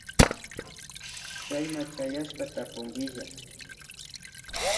Chayman chayashpa tapunkilla